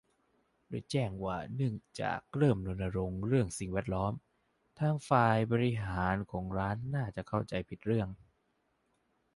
โดยแจ้งว่าเนื่องจาก "เริ่มรณรงค์เรื่องสิ่งแวดล้อม" ทางฝ่ายบริหารของร้านน่าจะเข้าใจผิดเรื่อง